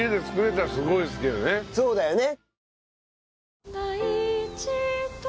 そうだよね。